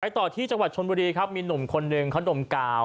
ต่อที่จังหวัดชนบุรีครับมีหนุ่มคนหนึ่งเขาดมกาว